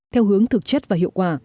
theo hướng thực chất và hiệu quả